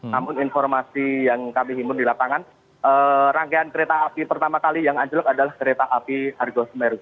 namun informasi yang kami himpun di lapangan rangkaian kereta api pertama kali yang anjlok adalah kereta api argo semeru